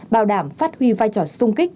bảo đảm phát huy vai trò sung kích